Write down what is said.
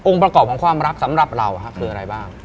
ประกอบของความรักสำหรับเราคืออะไรบ้าง